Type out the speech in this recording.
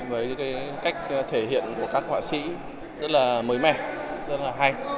với cái cách thể hiện của các họa sĩ rất là mới mẻ rất là hay